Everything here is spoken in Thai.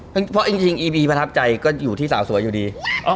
เพราะจริงอีบีประทับใจก็อยู่ที่สาวสวยอยู่ดี